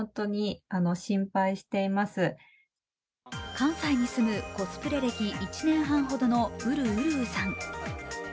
関西に住むコスプレ歴１年半ほどの潤うるうさん。